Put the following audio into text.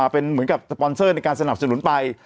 เป็นเหมือนกับสปอนเซอร์ในการสนับสนุนไป